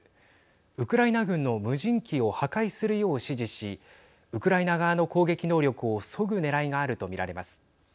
ウクライナ軍の無人機を破壊するよう指示しウクライナ側の攻撃能力をそぐねらいがあると見られます。